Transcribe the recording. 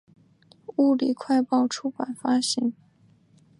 物理快报出版发行。